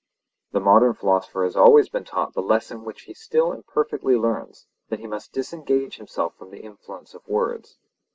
The modern philosopher has always been taught the lesson which he still imperfectly learns, that he must disengage himself from the influence of words.